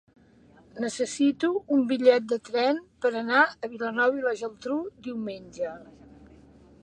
Necessito un bitllet de tren per anar a Vilanova i la Geltrú diumenge.